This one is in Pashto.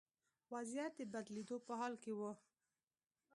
وضعیت د بدلېدو په حال کې و.